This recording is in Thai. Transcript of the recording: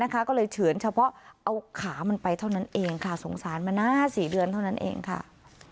ก็เลยเฉือนเฉพาะเอาขามันไปเท่านั้นเองค่ะสงสารมานะ๔เดือนเท่านั้นเองค่ะ